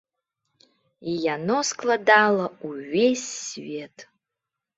І яно складала ўвесь свет.